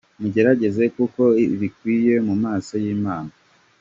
Mugerageze gukora ibikwiye mu maso y’Imana.